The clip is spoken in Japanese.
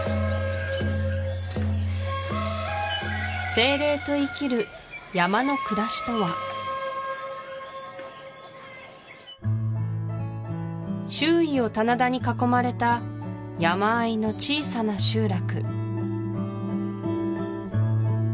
精霊と生きる山の暮らしとは周囲を棚田に囲まれた山あいの小さな集落